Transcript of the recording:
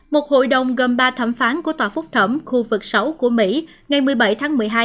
một hội đồng gồm ba thẩm phán của tòa phúc thẩm khu vực sáu của mỹ ngày một mươi bảy tháng một mươi hai